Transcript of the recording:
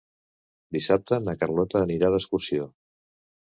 Dissabte na Carlota anirà d'excursió.